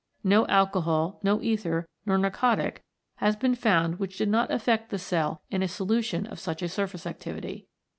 No alcohol, no ether nor narcotic has been found which did not affect the cell in a solution of such a surface activity.